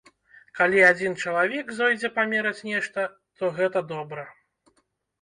Калі адзін чалавек зойдзе памераць нешта, то гэта добра.